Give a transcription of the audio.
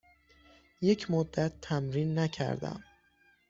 یک مدت تمرین نکردم.